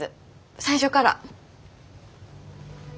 最初から。